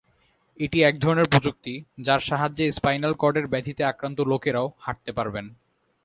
এটি একধরনের প্রযুক্তি, যার সাহাযে্য স্পাইনাল কর্ডের ব্যাধিতে আক্রান্ত লোকেরাও হাঁটতে পারবেন।